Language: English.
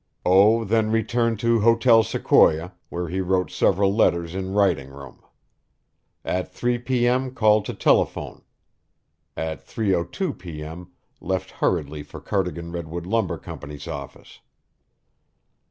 O. then returned to Hotel Sequoia, where he wrote several letters in writing room. At 3 p. M. called to telephone. At 3:02 p. M. left hurriedly for Cardigan Redwood Lumber Company's office.